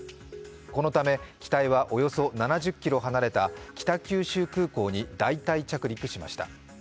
このため機体はおよそ７０ｋｍ離れた北九州空港に代替着陸しました。